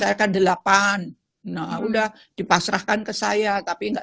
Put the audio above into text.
hai nah aurina star egor desir pessoa gue berhasil membawa dengan